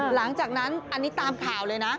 หลังจากนั้นอันนี้ตามข่าวเลยนะ